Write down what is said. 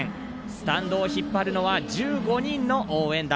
スタンドを引っ張るのは１５人の応援団。